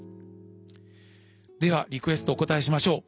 ではリクエストお応えしましょう。